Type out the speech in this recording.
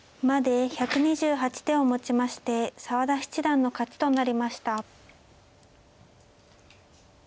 まで１２８手をもちまして澤田七段の勝ちとなりました。